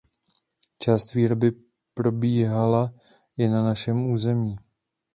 Část výroby probíhala i na našem území.